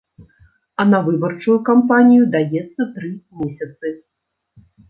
А на выбарчую кампанію даецца тры месяцы.